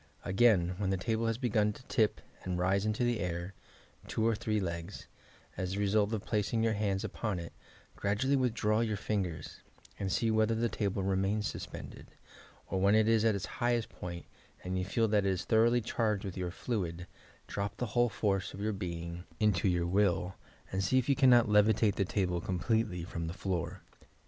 Again, when the table has begun to tip and rise into the air (two or three legs) as the result of placing your hands upon it, gradually withdraw your fingers and see whether the table remains suspended, or when it is at its highest point and you feel that it is thoroughly charged with your "fluid," drop the whole force of your being into Q 3 YOUH PSYCHIC POWERS your Will and see if you cannot levitate the table com pletely from the floor.